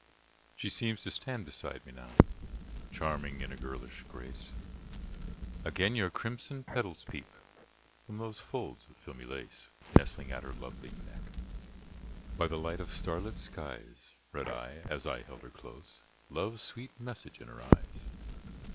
She seems to stand beside me now, Charming in her girlish grace; Again your crimson petals peep From those folds of filmy lace Nestling at her lovely neck. By the light of starlit skies Read I, as I held her close, Love's sweet message in her eyes.